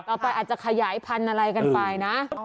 อาจจะขยายพันธุ์อะไรกันไปนะ